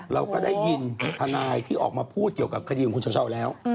เราก็ได้ยินทนายที่ออกมาพูดเรากับคนี่ของคุณเชอวเช่าแล้ว